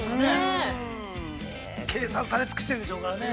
計算されつくしてるでしょうからね。